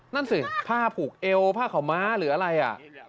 นั่นสิผ้าผูกเอวผ้าขาวม้าหรืออะไร